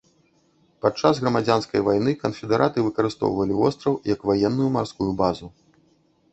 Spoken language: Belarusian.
Падчас грамадзянскай вайны канфедэраты выкарыстоўвалі востраў як ваенную марскую базу.